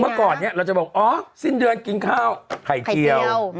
เมื่อก่อนเนี่ยเราจะบอกอ๋อสิ้นเดือนกินข้าวไข่เจียว